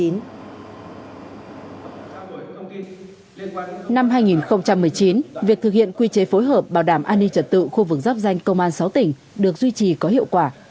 năm hai nghìn một mươi chín việc thực hiện quy chế phối hợp bảo đảm an ninh trật tự khu vực giáp danh công an sáu tỉnh được duy trì có hiệu quả